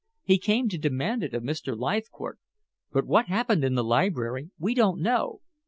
He came to demand it of Mr. Leithcourt, but what happened in the library we don't know.